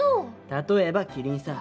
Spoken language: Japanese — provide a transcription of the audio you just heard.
例えばキリンさ。